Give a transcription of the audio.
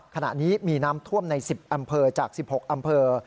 ขณะนี้มีน้ำท่วมใน๑๐อำเภอจาก๑๖อำเภอ